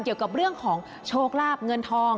เกี่ยวกับเรื่องของโชคลาบเงินทอง